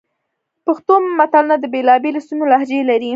پښتو متلونه د بېلابېلو سیمو لهجې لري